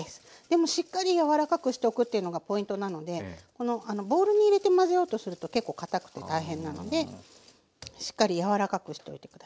でもしっかり柔らかくしておくっていうのがポイントなのでこのボウルに入れて混ぜようとすると結構かたくて大変なのでしっかり柔らかくしておいて下さい。